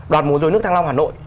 đoàn mùa rồi nước thăng long hà nội